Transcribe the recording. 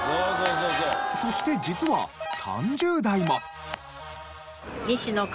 そして実は３０代も。